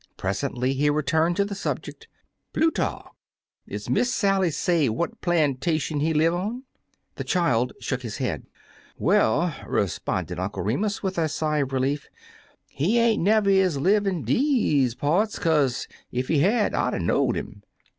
Pres ently he retumed to the subject. "Plu tarch! Is Miss Sally say what plantation he live on?'* The child shook his head. "Well, responded Uncle Remus, with a sigh of relief, "he ain't never is live in deze 84 Two Fat Pullets parts, kaze ef he had I *d 'a' know*d 'im.